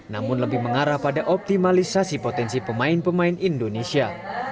namun lebih mengarah pada optimalisasi potensi pemain pemain indonesia